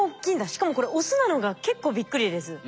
しかもこれオスなのが結構びっくりです。